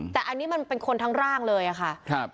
แต่อันนี้มันเป็นคนทั้งร่างเลยอะค่ะ